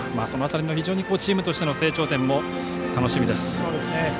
その辺りのチームとしての成長点も楽しみです。